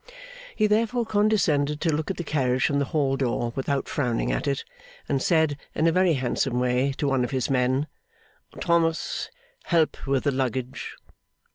He therefore condescended to look at the carriage from the Hall door without frowning at it, and said, in a very handsome way, to one of his men, 'Thomas, help with the luggage.